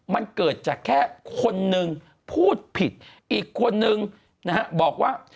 มันเกิดจากแค่คนนึงพูดผิดอีกคนนึงนะฮะบอกว่า